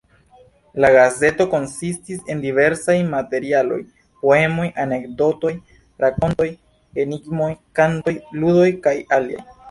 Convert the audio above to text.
La gazeto konsistis el diversaj materialoj: poemoj, anekdotoj, rakontoj, enigmoj, kantoj, ludoj kaj aliaj.